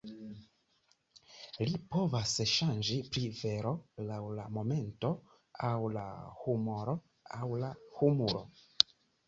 Li povas ŝanĝi pri vero laŭ la momento aŭ la humoro, aŭ la humuro!